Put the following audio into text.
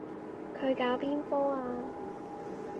佢搞邊科啊？